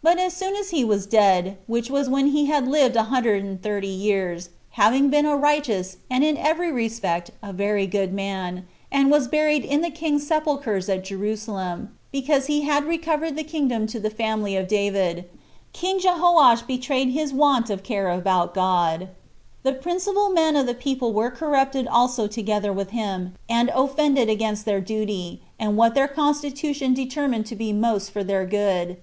3. But as soon as he was dead [which was when he had lived one hundred and thirty years, having been a righteous, and in every respect a very good man, and was buried in the king's sepulchers at Jerusalem, because he had recovered the kingdom to the family of David] king Jehoash betrayed his [want of] care about God. The principal men of the people were corrupted also together with him, and offended against their duty, and what their constitution determined to be most for their good.